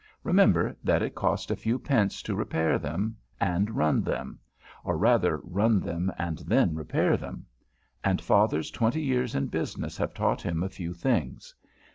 Remember that it cost a few pence to repair them and run them; or rather run them and then repair them; and Father's twenty years in business have taught him a few things.